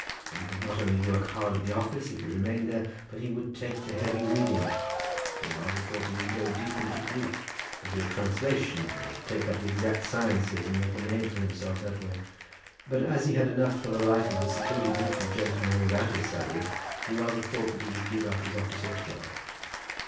He would not only work hard at the office if he remained there, but he would take to heavy reading. He rather thought that he would go deep into Greek and do a translation, or take up the exact sciences and make a name for himself that way. But as he had enough for the life of a secluded literary man without his salary, he rather thought that he would give up his office altogether.